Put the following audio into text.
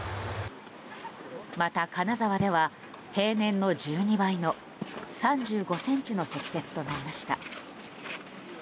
また、金沢では平年の１２倍の３５ｃｍの積雪となりました。